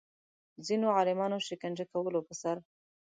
ځینو عالمانو شکنجه کولو پر سر